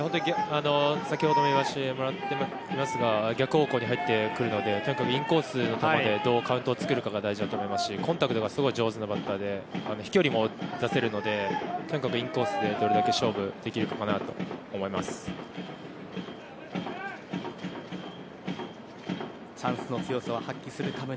先ほどから言わせてもらっていますが逆方向に入ってくるのでインコースの球でどうカウントを作るかが大事だと思いますしコンタクトがすごい上手なバッターで飛距離も出せるのでとにかくインコースでどれだけ勝負で来るかだとチャンスの強さを発揮するか宗。